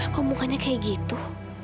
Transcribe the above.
kok mukanya kayak gitu